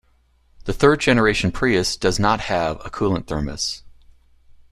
The third generation Prius does not have a coolant thermos.